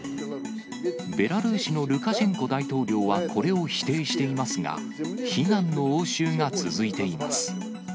ベラルーシのルカシェンコ大統領は、これを否定していますが、非難の応酬が続いています。